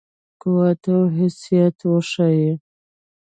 قوت او حیثیت وښيي.